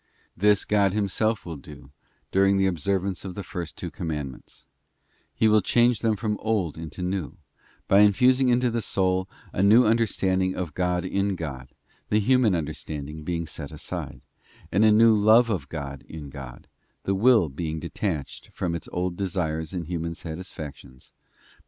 This God himself will do during the observance of the first two commandments; He will change them from old into new, by infusing into the soul a new un derstanding of God in God, the human understanding being set aside, and a new love of God in God, the will being detached from its old desires and human satisfactions, by * Gen. xxxy.